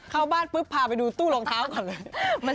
เข้าบ้านพับภาพไปดูตู้รองเท้าก่อน